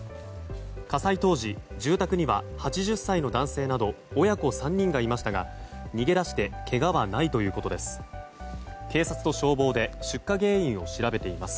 火災当時住宅には８０歳の男性など親子３人がいましたが逃げ出してけがはないということです。